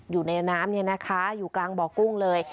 อยู่ในน้ำอยู่กลางบ่อกุ้งเลย